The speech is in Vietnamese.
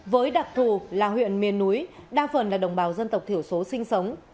với đặc thù là huyện miền núi đa phần là đồng bào dân tộc thiểu số sinh sống